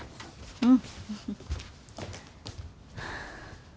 うん。